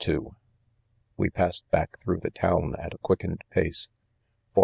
u We passed , back through the town at a auickened : nace> for.